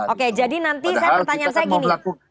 oke jadi nanti pertanyaan saya gini